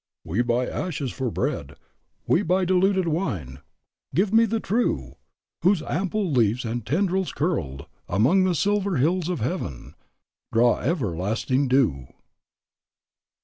"We buy ashes for bread; We buy diluted wine; Give me the true, Whose ample leaves and tendrils curled Among the silver hills of heaven, Draw everlasting dew."